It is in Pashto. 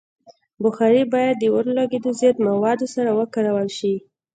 بخاري باید د اورلګیدو ضد موادو سره وکارول شي.